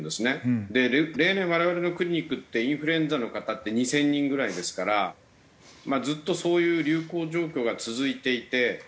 例年我々のクリニックってインフルエンザの方って２０００人ぐらいですからまあずっとそういう流行状況が続いていて。